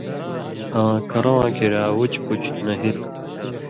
اں کرؤ واں کریا وُچ پُچ نہِرہۡ